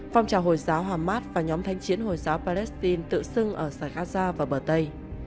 phong trào hồi giáo hamas và nhóm thanh chiến hồi giáo palestine tự xưng ở sarkazha và bờ tây